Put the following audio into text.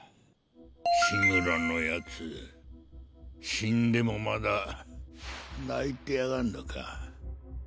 死んでもまだ泣いてやがんのか。